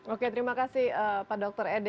oke terima kasih pak dr ede